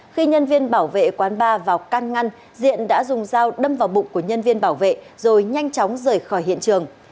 khi nhân viên bảo vệ quán ba vào can ngăn diện đã dùng dao đâm vào bụng của nhân viên bảo vệ rồi nhanh chóng rời khỏi hiện trường